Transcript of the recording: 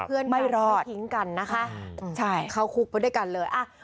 เพื่อนกันทิ้งกันนะคะเขาคุกพวกเขาด้วยกันเลย